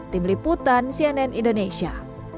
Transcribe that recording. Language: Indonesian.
tim liputan cnn indonesia